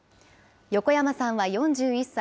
横山さんは４１歳。